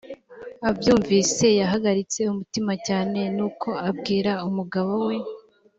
abyumvise yahagaritse umutima cyane nuko abwira umugabo we